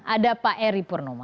ada pak eri purnoma